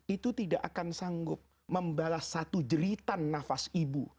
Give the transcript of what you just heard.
itu tidak akan sanggup membalas satu jeritan nafas ibu